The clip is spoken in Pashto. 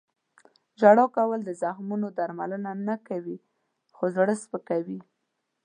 • ژړا کول د زخمونو درملنه نه کوي، خو زړه سپکوي.